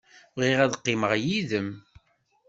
Bɣiɣ ad qqimeɣ yid-m.